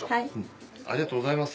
ありがとうございます。